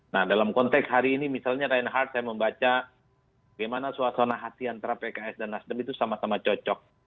nah dalam konteks hari ini misalnya reinhardt saya membaca bagaimana suasana hati antara pks dan nasdem itu sama sama cocok